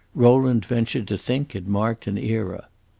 Rowland ventured to think it marked an era.